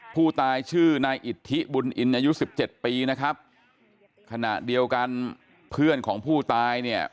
ผู้ตายชื่อนายอิทธิบุญอินอายุสิบเจ็ดปีนะครับขณะเดียวกันเพื่อนของผู้ตายเนี่ย